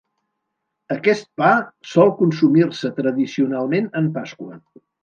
Aquest pa sol consumir-se tradicionalment en Pasqua.